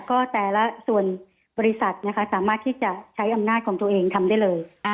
ก็แต่ละส่วนบริษัทนะคะสามารถที่จะใช้อำนาจของตัวเองทำได้เลย